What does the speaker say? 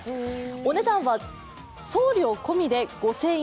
お値段は送料込みで５０００円。